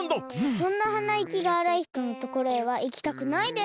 そんなはないきがあらいひとのところへはいきたくないです。